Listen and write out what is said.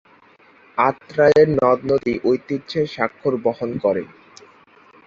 আত্রাই এর নদ- নদী ঐতিহ্যের স্বাক্ষর বহন করে।